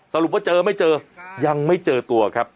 สรุปว่าเจอไม่เจอยังไม่เจอตัวครับ